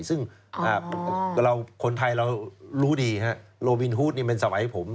ซึ่งคนไทยเรารู้ดีฮะโลวินฮูดนี่เป็นสมัยผม